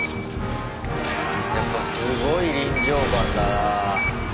やっぱすごい臨場感だなぁ。